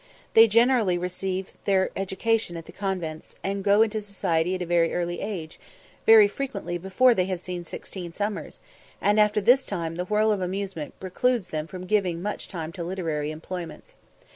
They generally receive their education at the convents, and go into society at a very early age, very frequently before they have seen sixteen summers, and after this time the whirl of amusement precludes them from giving much time to literary employments.